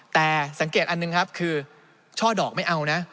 แต่สังเกตอันหนึ่งครับคือช่อดอกไม่เอานะ